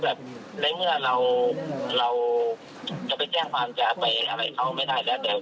เอาไว้เขาไม่ได้แล้ว